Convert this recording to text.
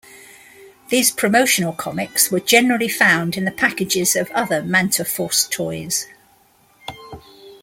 These promotional comics were generally found in the packages of other Manta Force toys.